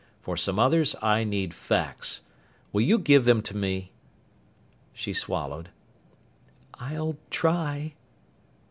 For some others I need facts. Will you give them to me?" She swallowed. "I'll try."